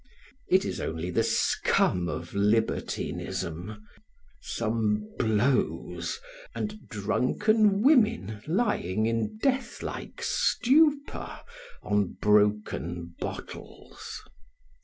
It is only the scum of libertinism, some blows and drunken women lying in deathlike stupor on broken bottles.